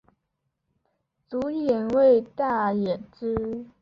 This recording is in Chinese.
主演为大野智。